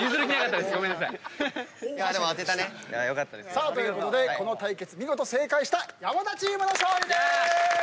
さあということでこの対決見事正解した山田チームの勝利でーす！